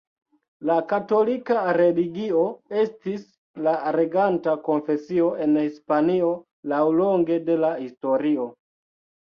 La katolika religio estis la reganta konfesio en Hispanio laŭlonge de la historio.